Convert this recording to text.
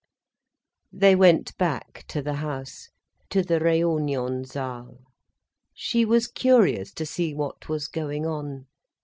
They went back to the house, to the Reunionsaal. She was curious to see what was going on.